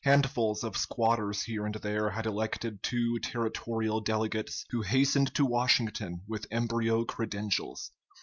Handfuls of squatters here and there had elected two territorial delegates, who hastened to Washington with embryo credentials.